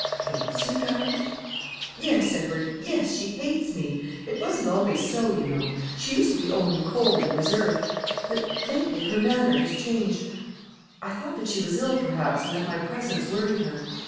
"Hates you, darling?" "Yes, Edward; yes, she hates me. It wasn't always so, you know. She used to be only cold and reserved, but lately her manner has changed. I thought that she was ill, perhaps, and that my presence worried her.